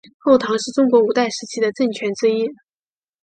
后唐是中国五代时期的政权之一。